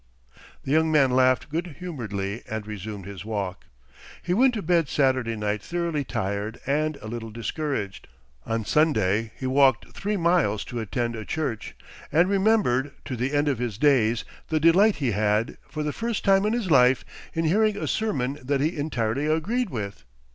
The young man laughed good humoredly and resumed his walk. He went to bed Saturday night thoroughly tired and a little discouraged. On Sunday he walked three miles to attend a church, and remembered to the end of his days the delight he had, for the first time in his life, in hearing a sermon that he entirely agreed with.